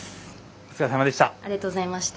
お疲れさまでした。